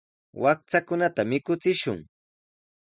Wakchakunata mikuchishun.